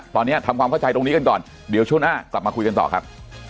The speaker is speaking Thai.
ตอนนี้ทำความเข้าใจตรงนี้กันก่อนเดี๋ยวช่วงหน้ากลับมาคุยกันต่อครับ